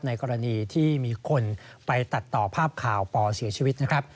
กรณีที่มีคนไปตัดต่อภาพข่าวปเสียชีวิตนะครับ